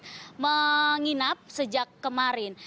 mereka menginap sejak kemarin